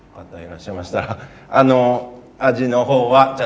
มาพี่สุชาติ